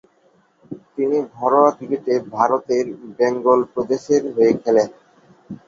তিনি ঘরোয়া ক্রিকেটে ভারতের বেঙ্গল প্রদেশের হয়ে খেলেন।